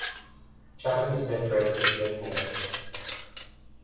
Chapman is best friends with Geoff Moore.